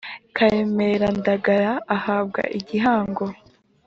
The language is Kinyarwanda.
karemera ndagara ahabwa igihango